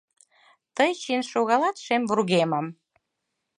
Тый чиен шогалат шем вургемым